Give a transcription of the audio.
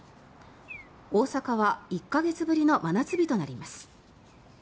大阪は１か月ぶりの真夏日となります。